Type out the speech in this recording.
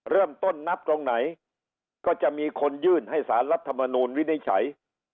เริ่มต้นนับตรงไหนก็จะมีคนยื่นให้สารรัฐมนูลวินิจฉัย